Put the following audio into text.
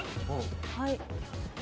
はい。